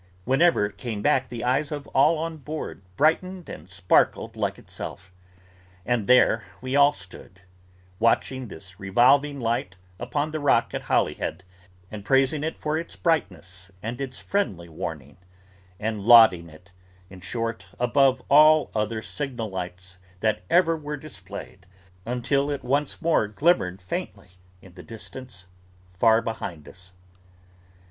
Whenever it came back, the eyes of all on board, brightened and sparkled like itself: and there we all stood, watching this revolving light upon the rock at Holyhead, and praising it for its brightness and its friendly warning, and lauding it, in short, above all other signal lights that ever were displayed, until it once more glimmered faintly in the distance, far behind us.